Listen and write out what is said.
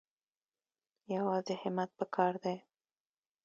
یوازې همت پکار دی